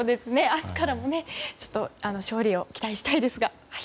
明日からも勝利を期待したいですが。